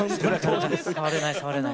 触れない触れない。